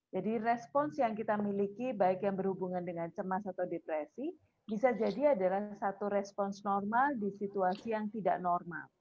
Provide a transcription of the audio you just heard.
jadi respons yang kita miliki baik yang berhubungan dengan cemas atau depresi bisa jadi adalah satu respons normal di situasi yang tidak normal